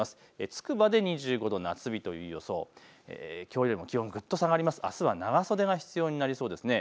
つくばで２５度夏日という予想、きょうよりも気温ぐっと下がるのであすは長袖が必要になりそうです。